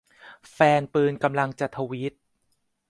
แฟนปืนกำลังจะ ทวิต